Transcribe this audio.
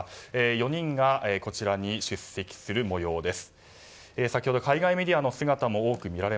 ４人がこちらに出席する模様です。